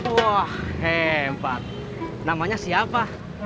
wah hempat namanya siapa